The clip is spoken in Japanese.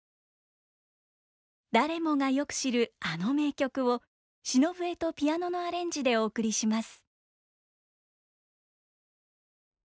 誰もがよく知るあの名曲を篠笛とピアノのアレンジでお送りします。